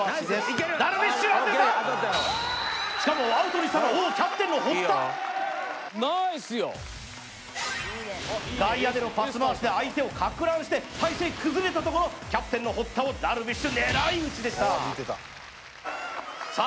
しかもアウトにしたのはおおキャプテンの堀田外野でのパス回しで相手を撹乱して体勢崩れたところをキャプテンの堀田を樽美酒狙い撃ちでしたさあ